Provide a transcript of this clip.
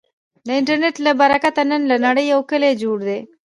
د انټرنټ له برکته، نن له نړې یو کلی جوړ دی.